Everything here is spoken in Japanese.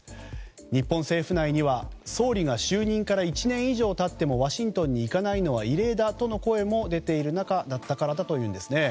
日本政府内には、総理が就任から１年以上経ってもワシントンに行かないのは異例だとの声も出ている中だったからだというんですね。